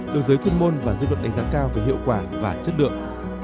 được giới chuyên môn và dư luận đánh giá cao về hiệu quả và chất lượng